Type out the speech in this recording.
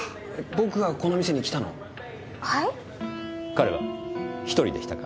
彼は１人でしたか？